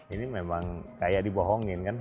ini memang kayak dibohongin kan